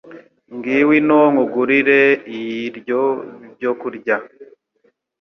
ngiwno nkugurire iiryo byo kurya